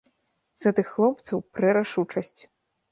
З гэтых хлопцаў прэ рашучасць.